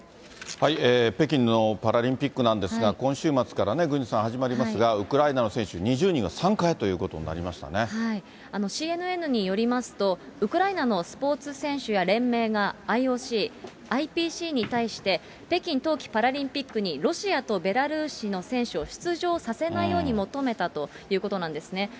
北京のパラリンピックなんですが、今週末からね、郡司さん、始まりますが、ウクライナの選手、２０人が参加へということになりＣＮＮによりますと、ウクライナのスポーツ選手や連盟が、ＩＯＣ、ＩＰＣに対して、北京冬季パラリンピックにロシアとベラルーシの選手を出場させないように求めたということなんですね。